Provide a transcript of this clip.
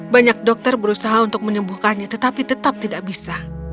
banyak dokter berusaha untuk menyembuhkannya tetapi tetap tidak bisa